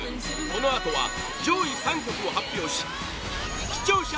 このあとは上位３曲を発表し視聴者